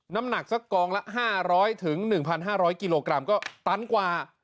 น้ำหนักสักกองละ๕๐๐๑๕๐๐กิโลกรัมก็ตันกว่า